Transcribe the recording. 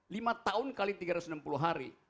lima tahun kali tiga ratus enam puluh hari